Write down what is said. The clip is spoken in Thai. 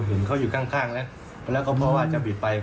เห็นเขาอยู่ข้างข้างแล้วแล้วก็เพราะว่าจะผิดไป